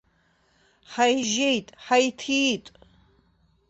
Ҳаижьеит, ҳаиҭиит!